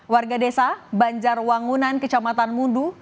warga desa banjarwangunan kecamatan mundu